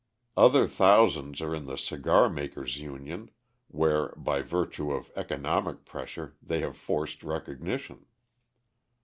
Other thousands are in the cigar makers' union, where, by virtue of economic pressure, they have forced recognition.